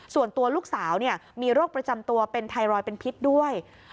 ส่วนตัวลูกสาวมีโรคประจำตัวเป็นไทรอยด์เป็นพิษด้วย